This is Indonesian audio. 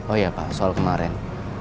oh iya pak soal kemarin